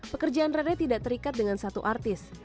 pekerjaan rene tidak terikat dengan satu artis